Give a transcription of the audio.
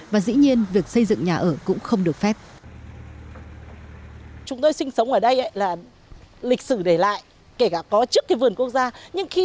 và dĩ nhiên việc di dân ở đây không được di dân